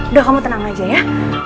udah kamu tenang aja ya